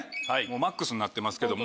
マックスになってますけども。